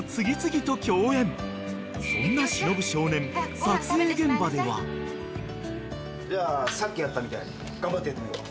［そんな忍少年］じゃあさっきやったみたいに頑張ってやってみよう。